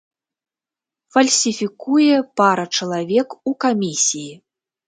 Фальсіфікуе пара чалавек у камісіі.